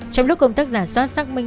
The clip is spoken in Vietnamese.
trong lúc công tác gia soát xác minh